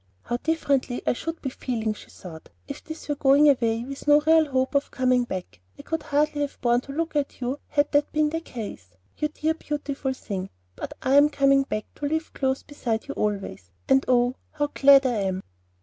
"How differently I should be feeling," she thought, "if this were going away with no real hope of coming back! I could hardly have borne to look at you had that been the case, you dear beautiful thing; but I am coming back to live close beside you always, and oh, how glad I am!"